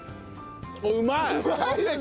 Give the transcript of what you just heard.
うまい！